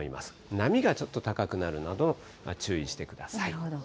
波がちょっと高くなるなど注意してください。